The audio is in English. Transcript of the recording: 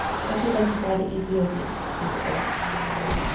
represented by the Ethiopians in her glass.